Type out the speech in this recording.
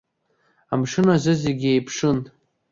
Амшын азы зегьы еиԥшын.